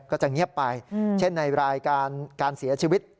ก็จะเงียบไปเช่นในรายการการเสียชีวิต